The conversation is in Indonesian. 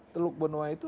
teluk benua itu